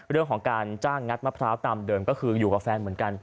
เรื่องของการจ้างงัดมะพร้าวตามเดิมก็คืออยู่กับแฟนเหมือนกัน